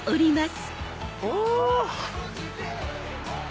お！